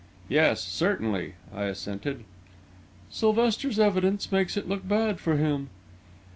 "Yes; certainly," I assented. "Sylvester's evidence makes it look bad for him."